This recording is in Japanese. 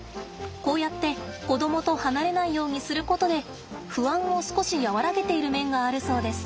こうやって子供と離れないようにすることで不安を少し和らげている面があるそうです。